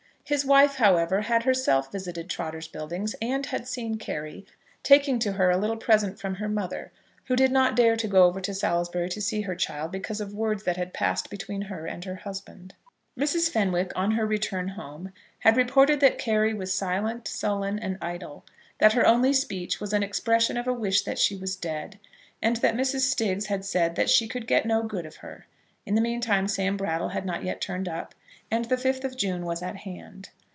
His wife, however, had herself visited Trotter's Buildings, and had seen Carry, taking to her a little present from her mother, who did not dare to go over to Salisbury to see her child, because of words that had passed between her and her husband. Mrs. Fenwick, on her return home, had reported that Carry was silent, sullen, and idle; that her only speech was an expression of a wish that she was dead, and that Mrs. Stiggs had said that she could get no good of her. In the meantime Sam Brattle had not yet turned up, and the 5th of June was at hand.